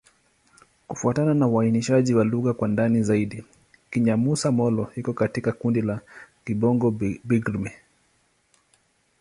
Kufuatana na uainishaji wa lugha kwa ndani zaidi, Kinyamusa-Molo iko katika kundi la Kibongo-Bagirmi.